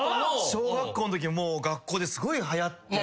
小学校んとき学校ですごいはやって。